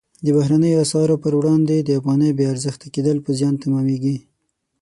د بهرنیو اسعارو پر وړاندې د افغانۍ بې ارزښته کېدل په زیان تمامیږي.